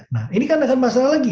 nah ini kan akan masalah lagi